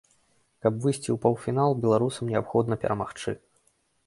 Каб выйсці ў паўфінал, беларусам неабходна перамагчы.